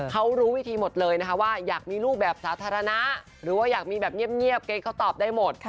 เขารู้วิธีหมดเลยนะคะว่าอยากมีรูปแบบสาธารณะหรือว่าอยากมีแบบเงียบเกรทเขาตอบได้หมด